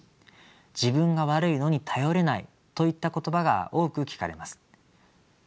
「自分が悪いのに頼れない」といった言葉が多く聞かれます。